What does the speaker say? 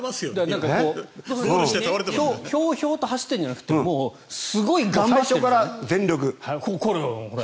ひょうひょうと走ってるんじゃなくてすごい頑張ってる。